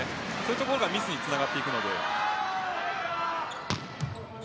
そこがミスにつながっていくので。